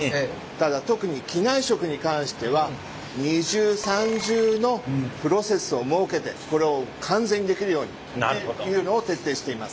ただ特に機内食に関しては二重三重のプロセスを設けてこれを完全にできるようにっていうのを徹底しています。